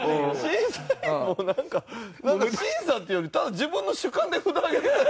審査員もなんか審査っていうよりただ自分の主観で札上げてた。